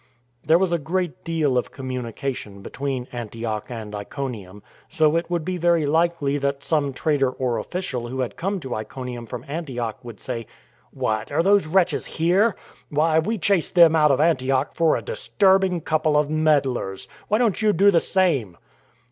" There was a great deal of communication between Antioch and Iconium, so it would be very likely that some trader or official who had come to Iconium from Antioch would say: " What ! Are these wretches here ? Why, we chased them out of Antioch for a disturbing couple of meddlers. Why don't you do the same?